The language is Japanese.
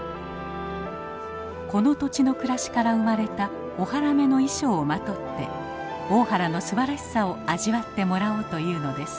この土地の暮らしから生まれた大原女の衣装をまとって大原のすばらしさを味わってもらおうというのです。